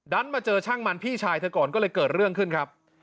มาเจอช่างมันพี่ชายเธอก่อนก็เลยเกิดเรื่องขึ้นครับ